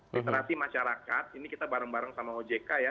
literasi masyarakat ini kita bareng bareng sama ojk ya